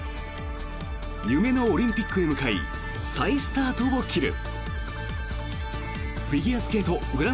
夢のオリンピックへ向かい再スタートを切る。